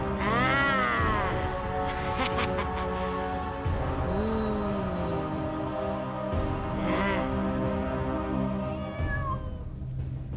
tidak ada satu pun yang bisa mengobati